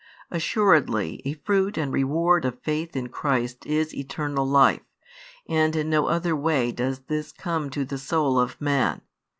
Assuredly a fruit and reward of faith in Christ is eternal life, and in no other way does this come to the soul of man.